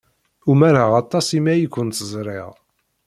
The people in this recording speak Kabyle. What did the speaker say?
Umareɣ aṭas imi ay kent-ẓriɣ.